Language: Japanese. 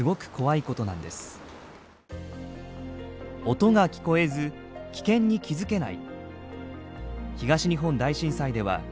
音が聞こえず危険に気付けない。